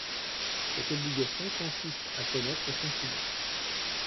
Cette obligation consiste à connaître son client.